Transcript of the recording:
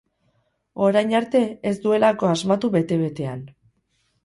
Orain arte ez duelako asmatu bete-betean.